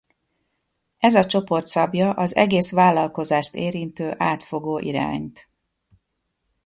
Ez a csoport szabja az egész vállalkozást érintő átfogó irányt.